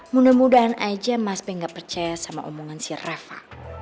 mudah mudahan aja mas bay gak percaya sama omongan si rava